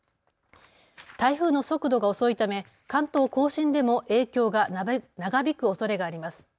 台風の速度が遅いため関東甲信でも影響が長引くおそれがあります。